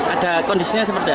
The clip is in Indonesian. ada kondisinya seperti apa